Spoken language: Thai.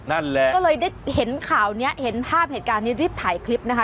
นั่นแหละก็เลยได้เห็นข่าวนี้เห็นภาพเหตุการณ์นี้รีบถ่ายคลิปนะคะ